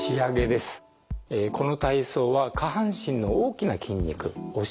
この体操は下半身の大きな筋肉ツー。